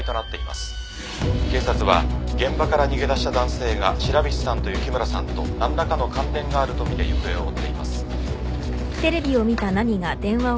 警察は現場から逃げ出した男性が白菱さんと雪村さんと何らかの関連があるとみて行方を追っています。